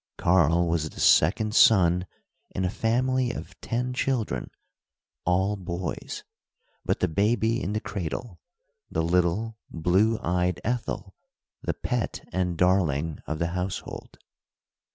Karl was the second son in a family of ten children, all boys but the baby in the cradle—the little, blue eyed Ethel, the pet and darling of the household.